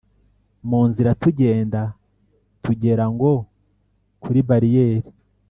munzira tugenda tugera ngo kuri bariyeri